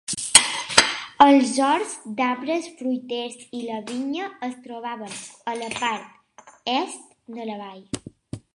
Els horts d'arbres fruiters i la vinya es trobaven a la part est de la vall.